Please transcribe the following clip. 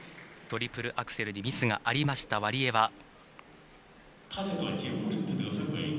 トリプルアクセルでミスがありました、ワリエワ。